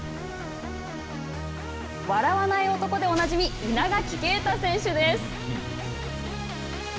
笑わない男でおなじみ、稲垣啓太選手です。